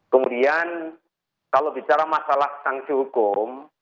kemudian kalau bicara masalah sanksi hukum